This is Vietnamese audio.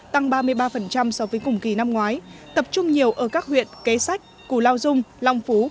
tăng ba mươi ba so với cùng kỳ năm ngoái tập trung nhiều ở các huyện kế sách cù lao dung long phú